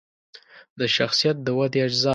د شخصیت د ودې اجزاوې